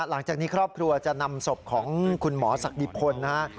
หลังจากนี้ครอบครัวจะนำศพของคุณหมอศักดิพลนะฮะ